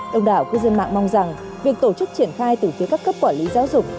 đồng đảo cư dân mạng mong rằng việc tổ chức triển khai từ phía các cấp quản lý giáo dục